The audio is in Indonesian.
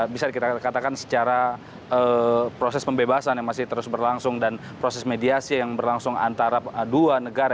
bisa dikatakan secara proses pembebasan yang masih terus berlangsung dan proses mediasi yang berlangsung antara dua negara